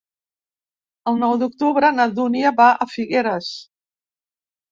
El nou d'octubre na Dúnia va a Figueres.